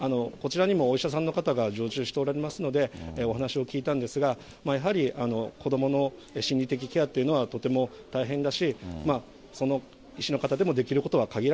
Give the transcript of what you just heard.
こちらにもお医者さんの方が常駐しておられますので、お話を聞いたんですが、やはり子どもの心理的ケアというのは、とても大変だし、